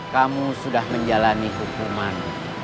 kamu sudah menjalani hukuman